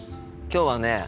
今日はね